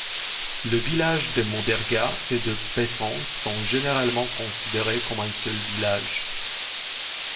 Les villages de Moddergat et de Paesens sont généralement considérés comme un seul village.